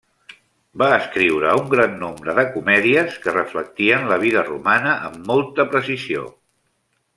Va escriure un gran nombre de comèdies que reflectien la vida romana amb molta precisió.